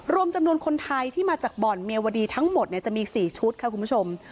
รวมจำนวนคนไทยที่มาจากบ่อนเมียวดีทั้งหมดจะมี๔ชุดค่ะคุณผู้ชม